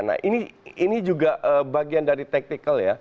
nah ini juga bagian dari tactical ya